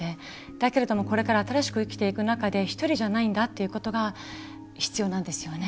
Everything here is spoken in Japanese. だけれどもこれから新しく生きていく中で１人じゃないんだっていうことが必要なんですよね。